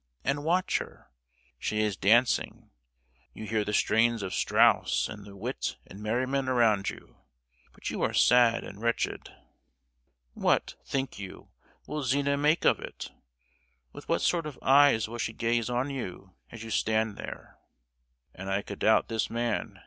and watch her. She is dancing. You hear the strains of Strauss, and the wit and merriment around you, but you are sad and wretched. "What, think you, will Zina make of it? With what sort of eyes will she gaze on you as you stand there? 'And I could doubt this man!